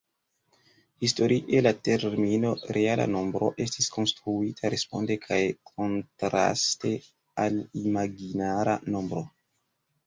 Historie la termino "reala nombro" estis konstruita responde kaj kontraste al imaginara nombro.